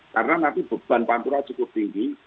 karena nanti beban pantura cukup tinggi